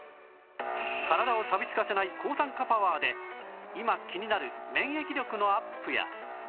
体をさびつかせない抗酸化パワーで今気になる免疫力のアップや